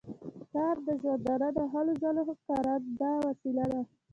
کار د ژوندانه د هلو ځلو کارنده وسیله ده.